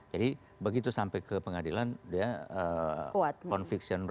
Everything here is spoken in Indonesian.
jadi begitu sampai ke pengadilan